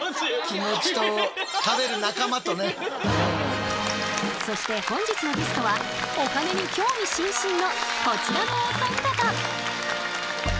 気持ちとそして本日のゲストはお金に興味津々のこちらのお三方！